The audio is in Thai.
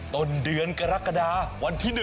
ต้นเดือนกรกฎาวันที่๑